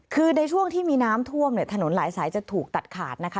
คือในช่วงที่มีน้ำท่วมเนี่ยถนนหลายสายจะถูกตัดขาดนะคะ